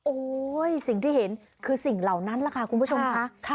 โอ้โหสิ่งที่เห็นคือสิ่งเหล่านั้นแหละค่ะคุณผู้ชมค่ะ